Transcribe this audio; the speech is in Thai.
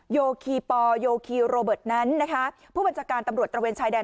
โยคีปอลโยคีโรเบิร์ตนั้นนะคะผู้บัญชาการตำรวจตระเวนชายแดน